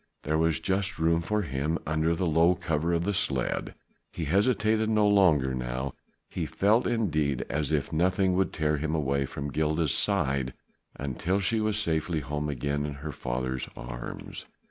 There was just room for him under the low cover of the sledge; he hesitated no longer now, he felt indeed as if nothing would tear him away from Gilda's side until she was safely home again in their father's arms.